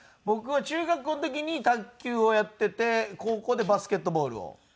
僕は中学校の時に卓球をやってて高校でバスケットボールを。